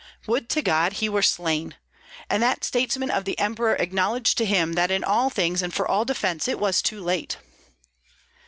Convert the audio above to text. Would to God he were slain! And that statesman of the emperor acknowledged to him that in all things and for all defence it was too late."